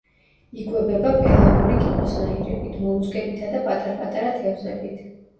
იკვებება პელაგური კიბოსნაირებით, მოლუსკებითა და პატარ-პატარა თევზებით.